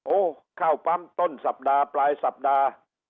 เข้าปั๊มต้นสัปดาห์ปลายสัปดาห์